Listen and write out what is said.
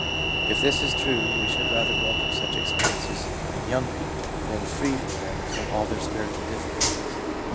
If this is true, we should rather welcome such experiences in young people than free them from all their spiritual difficulties.